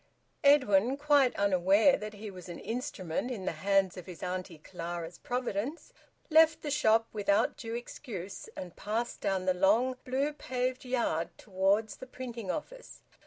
Edwin, quite unaware that he was an instrument in the hands of his Auntie Clara's Providence, left the shop without due excuse and passed down the long blue paved yard towards the printing office.